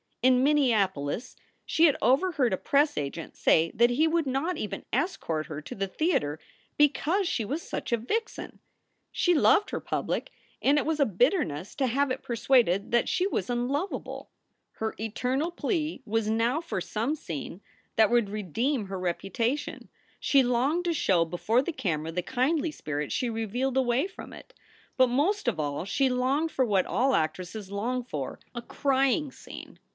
In Minneapolis she had overheard a press agent say that he would not even escort her to the theater because she was such a vixen ! She loved her public, and it was a bitterness to have it persuaded that she was unlovable. Her eternal plea was now for some scene that would SOULS FOR SALE 269 redeem her reputation. She longed to show before the camera the kindly spirit she revealed away from it. But most of all she longed for what all actresses long for a crying scene.